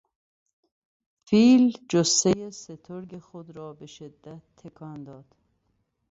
فیل جثهی سترگ خود را به شدت تکان داد.